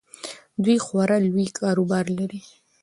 دوی خورا لوی کاروبار لري.